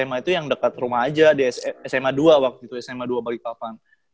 sma itu yang dekat rumah aja sma dua waktu itu sma dua bali papan